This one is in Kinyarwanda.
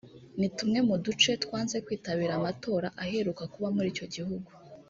ni tumwe mu duce twanze kwitabira amatora aheruka kuba muri icyo gihugu